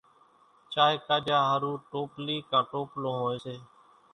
چائيَ ڪاڍِيا ۿارُو ٽوپلِي ڪان ٽوپلون هوئيَ سي۔